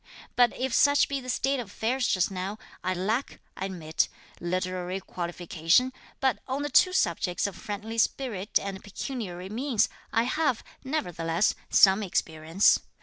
But if such be the state of affairs just now, I lack, I admit, literary qualification, but on the two subjects of friendly spirit and pecuniary means, I have, nevertheless, some experience.